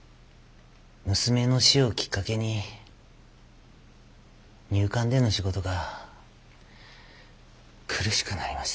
娘の死をきっかけに入管での仕事が苦しくなりました。